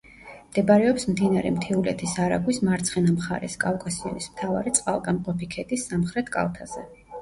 მდებარეობს მდინარე მთიულეთის არაგვის მარცხენა მხარეს, კავკასიონის მთავარი წყალგამყოფი ქედის სამხრეთ კალთაზე.